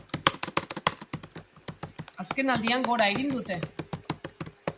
Azkenaldian, gora egin dute.